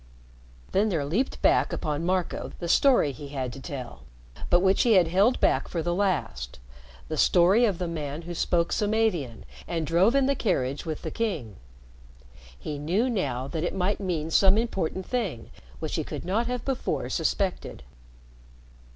Then there leaped back upon Marco the story he had to tell, but which he had held back for the last the story of the man who spoke Samavian and drove in the carriage with the King. He knew now that it might mean some important thing which he could not have before suspected.